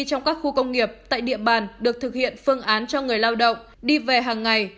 trong các khu công nghiệp tại địa bàn được thực hiện phương án cho người lao động đi về hàng ngày